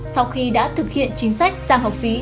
sau khi đã thực hiện chính sách giảm học phí